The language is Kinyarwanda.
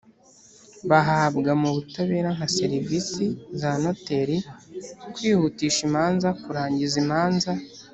bahabwa mu butabera nka serivisi za noteri kwihutisha imanza kurangiza imanza